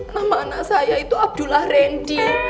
nama anak saya itu abdullah randy